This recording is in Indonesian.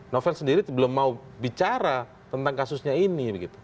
novel sendiri belum mau bicara tentang kasusnya ini